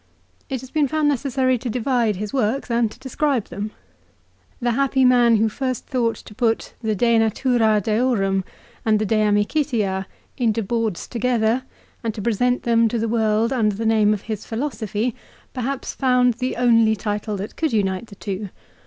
It had been found necessary to divide his works and to describe them. The happy man who first thought to put the " De Natura Deorum " and the " De Amicitia " into boards together, and to present them to the world under the name of his philosophy, CICERO'S PHILOSOPHY. 337 peihaps found the only title that could unite the two.